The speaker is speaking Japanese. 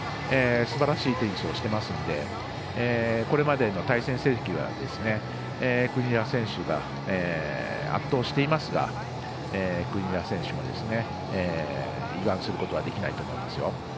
すばらしいテニスをしてますのでこれまでの対戦成績は国枝選手が圧倒していますが国枝選手も油断することはできないと思いますよ。